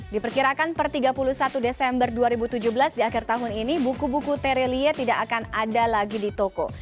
diperkirakan per tiga puluh satu desember dua ribu tujuh belas di akhir tahun ini buku buku terelie tidak akan ada lagi di toko